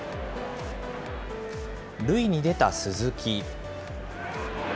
塁に出た鈴木。